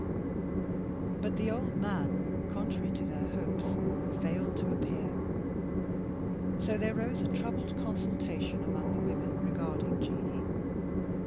But the old man, contrary to their hopes, failed to appear, so there rose a troubled consultation among the women regarding Jeanie.